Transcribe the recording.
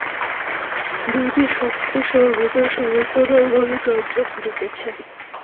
দুইটি শক্তি সর্বদা সমান্তরালভাবে কার্য করিতেছে।